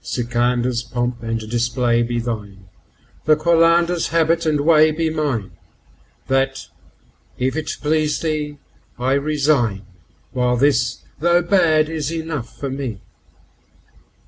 Sikandar's3 pomp and display be thine, the Qalandar's4 habit and way be mine; That, if it please thee, I resign, while this, though bad, is enough for me.